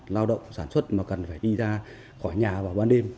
lao động sản xuất mà cần phải đi ra khỏi nhà vào ban đêm